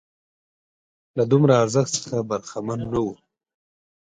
له دومره ارزښت څخه برخمن نه وو.